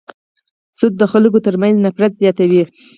سود د خلکو تر منځ نفرت زیاتوي.